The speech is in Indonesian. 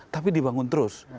tapi dibangun terus